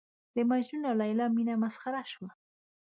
د مجنون او لېلا مینه مسخره شوه.